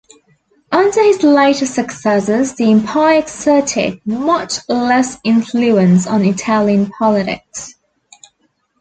Under his later successors the Empire exerted much less influence on Italian politics.